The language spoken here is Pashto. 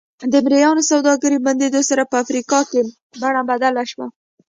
د مریانو سوداګرۍ بندېدو سره په افریقا کې بڼه بدله شوه.